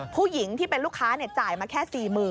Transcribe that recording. ผู้หญิงที่เป็นลูกค้าเนี่ยจ่ายมาแค่๔๐๐๐๐บาท